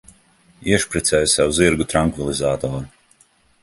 Iešpricē sev zirgu trankvilizatoru.